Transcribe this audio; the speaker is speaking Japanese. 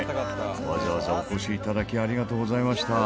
わざわざお越しいただきありがとうございました。